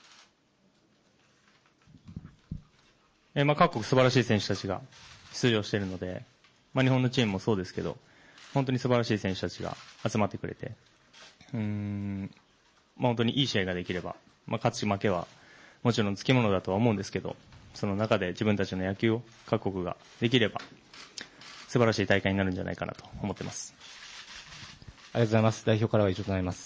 各国すばらしい選手たちが出場しているので、日本のチームもそうですけど本当にすばらしい選手たちが集まってくれて本当にいい試合ができれば、勝ち負けはもちろんつきものだとは思うんですけれどもその中で自分たちの野球を各国ができれば、すばらしい大会になるんじゃないかなと思っています。